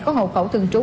có hậu khẩu thường trú